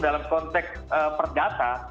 dalam konteks perdata